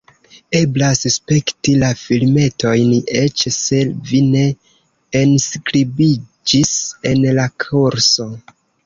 Eblas spekti la filmetojn, eĉ se vi ne enskribiĝis en la kurso.